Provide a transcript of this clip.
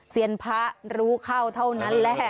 เซียนพระรู้เข้าเท่านั้นแหละ